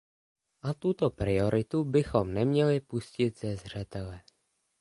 A tuto prioritu bychom neměli pustit ze zřetele.